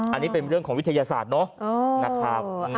อันนี้เป็นเรื่องของวิทยาศาสตร์เนอะ